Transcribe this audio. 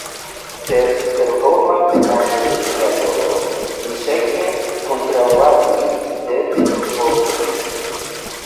Per superhoma penado de mia volo mi ŝajne kontraŭagis, sed ho ve!